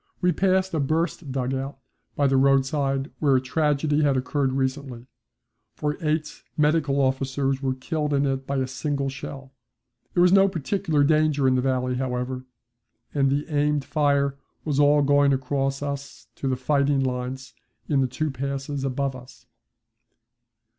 We passed a burst dug out by the roadside where a tragedy had occurred recently, for eight medical officers were killed in it by a single shell. There was no particular danger in the valley however, and the aimed fire was all going across us to the fighting lines in the two passes above us.